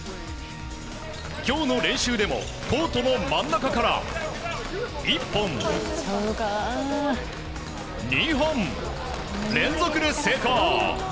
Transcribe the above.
今日の練習でもコートの真ん中から１本、２本、連続で成功！